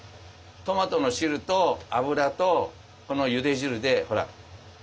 トマトの汁と油とこのゆで汁でほら。